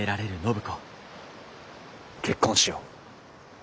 結婚しよう。